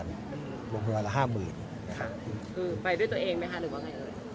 โรงพยาบาลละห้าหมื่นค่ะคือไปด้วยตัวเองไหมคะหรือว่าไงเอ่ย